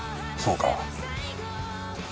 そうか。